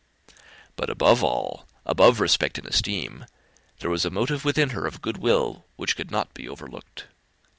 But above all, above respect and esteem, there was a motive within her of good will which could not be overlooked.